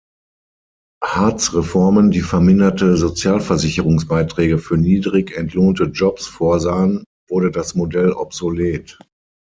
Hartz-Reformen, die verminderte Sozialversicherungsbeiträge für niedrig entlohnte Jobs vorsahen, wurde das Modell obsolet.